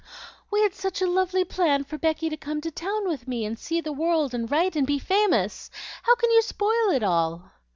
"We had such a lovely plan for Becky to come to town with me, and see the world, and write, and be famous. How can you spoil it all?"